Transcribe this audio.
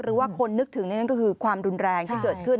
หรือว่าคนนึกถึงนั่นก็คือความรุนแรงที่เกิดขึ้น